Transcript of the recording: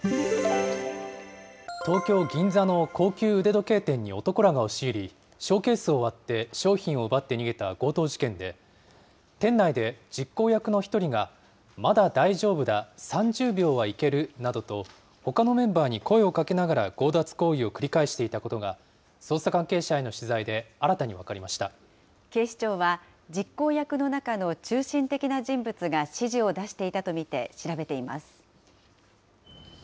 東京・銀座の高級腕時計店に男らが押し入り、ショーケースを割って商品を奪って逃げた強盗事件で、店内で実行役の１人が、まだ大丈夫だ、３０秒はいけるなどと、ほかのメンバーに声をかけながら、強奪行為を繰り返していたことが、捜査関係者への取材で新たに分か警視庁は、実行役の中の中心的な人物が指示を出していたと見て調べています。